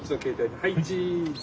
はいチーズ。